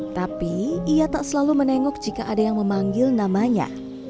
tapi ia tak selalu menengok jika ada yang memanggil namanya